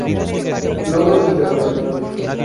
Logros Internacionales.